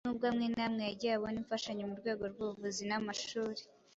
n'ubwo amwe n'amwe yagiye abona imfashanyo mu rwego rw'ubuvuzi n'amashuri.